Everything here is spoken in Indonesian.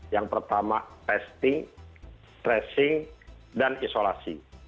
yang pertama testing tracing dan isolasi